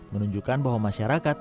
menunjukkan bahwa masyarakat